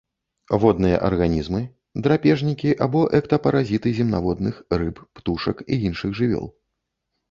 Водныя арганізмы, драпежнікі або эктапаразіты земнаводных, рыб, птушак і іншых жывёл.